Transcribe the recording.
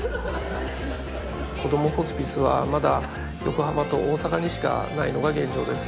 こどもホスピスはまだ横浜と大阪にしかないのが現状です